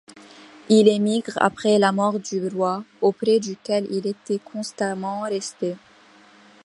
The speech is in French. Il émigre après la mort du roi, auprès duquel il était constamment resté.